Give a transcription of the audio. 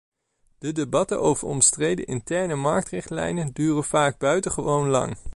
De debatten over omstreden interne-marktrichtlijnen duren vaak buitengewoon lang.